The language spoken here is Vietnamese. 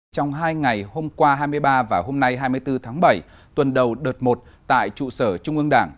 trong hai ngày hôm qua hai mươi ba và hôm nay hai mươi bốn tháng bảy tuần đầu đợt một tại trụ sở trung ương đảng